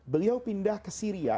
beliau pindah ke syria